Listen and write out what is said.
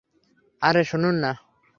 আরে শুনুন না।